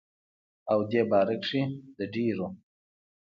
او دې باره کښې دَ ډيرو